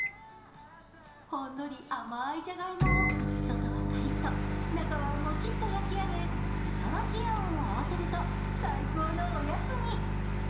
ほんのり甘いじゃがいもを、外はカリッと、中はもちっと焼き上げみたらしあんを合わせると最高のおやつに。